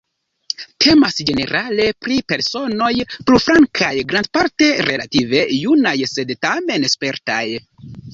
Temas ĝenerale pri personoj plurflankaj, grandparte relative junaj sed tamen spertaj.